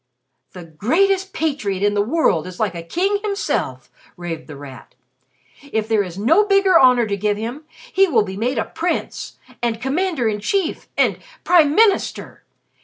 "The greatest patriot in the world is like a king himself!" raved The Rat. "If there is no bigger honor to give him, he will be made a prince and Commander in Chief and Prime Minister!